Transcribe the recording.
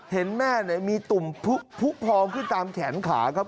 เห็นแม่มีตุ่มผู้พองขึ้นตามแขนขาครับ